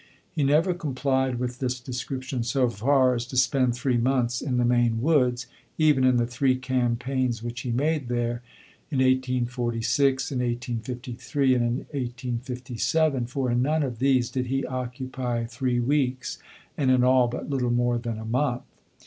He never complied with this description so far as to spend three months in the Maine woods, even in the three campaigns which he made there (in 1846, in 1853, and in 1857), for in none of these did he occupy three weeks, and in all but little more than a month.